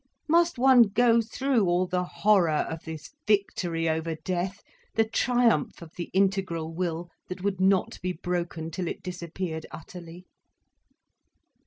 Must one go through all the horror of this victory over death, the triumph of the integral will, that would not be broken till it disappeared utterly?